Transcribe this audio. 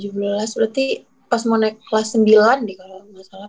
dua ribu tujuh belas berarti pas mau naik kelas sembilan nih kalo gak salah